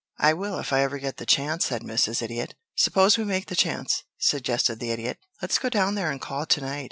"I will if I ever get the chance," said Mrs. Idiot. "Suppose we make the chance?" suggested the Idiot. "Let's go down there and call to night.